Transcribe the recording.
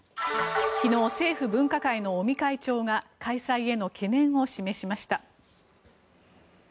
昨日、政府分科会の尾身会長が開催への懸念を示しました。